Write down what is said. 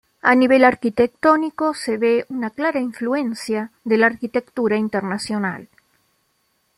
A nivel arquitectónico, se ve una clara influencia de la arquitectura internacional.